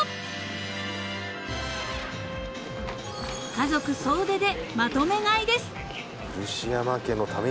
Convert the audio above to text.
［家族総出でまとめ買いです］